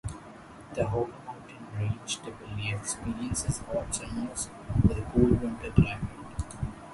The Hoggar Mountain range typically experiences hot summers, with a cold winter climate.